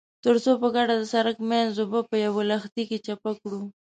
ترڅو په ګډه د سړک منځ اوبه په يوه لښتي کې چپه کړو.